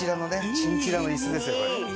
チンチラの椅子ですよこれ。